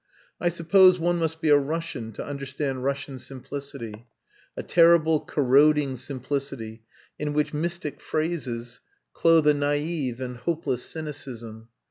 I suppose one must be a Russian to understand Russian simplicity, a terrible corroding simplicity in which mystic phrases clothe a naive and hopeless cynicism.